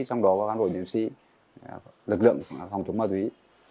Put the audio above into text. trong đó có cán bộ chiến sĩ lực lượng phòng chống ma túy